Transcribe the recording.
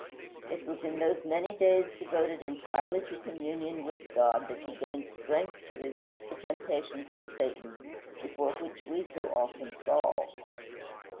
It was in those many days devoted entirely to communion with God that he gained strength to resist the temptations of Satan, before which we so often fall.